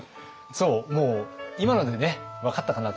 そうもう今のでね分かったかなと思います。